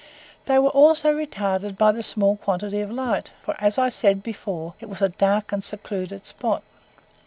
They were also retarded by the small quantity of light, for, as I said before, it was a dark and secluded spot.